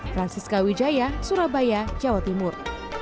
francisca wijaya surabaya jawa timur